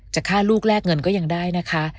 ฆ่าลูกแลกเงินก็ยังได้นะคะ